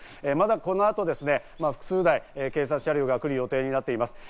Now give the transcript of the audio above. この後、まだ数台、警察車両が来る予定になっています。